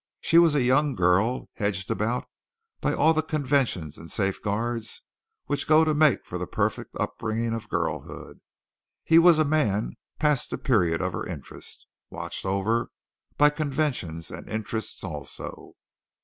She was a young girl hedged about by all the conventions and safeguards which go to make for the perfect upbringing of girlhood. He was a man past the period of her interest, watched over by conventions and interests also.